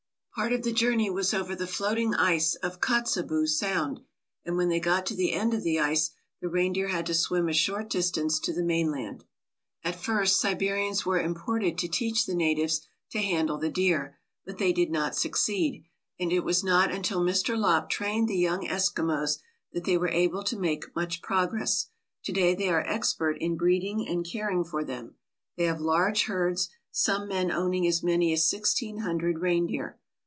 Part of the journey was over the floating ice of Kotzebue Sound, and when they got to the end of the ice the reindeer had to swim a short distance to the mainland. At first Siberians were imported to teach the natives to handle the deer, but they did not succeed, and it was not until Mr. Lopp trained the young Eskimos that they were able to make much progress. To day they are expert in breeding and caring for them. They have large herds, some men owning as many as sixteen hundred reindeer.